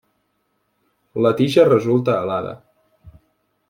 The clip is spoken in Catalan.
La tija resulta alada.